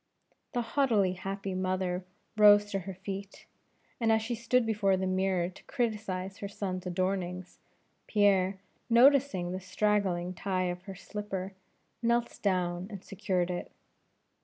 The haughtily happy mother rose to her feet, and as she stood before the mirror to criticize her son's adornings, Pierre, noticing the straggling tie of her slipper, knelt down and secured it.